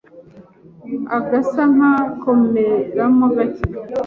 agasa nk’akomeramo gake